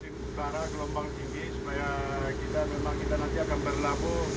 kita mencari gelombang tinggi supaya kita nanti akan berlaku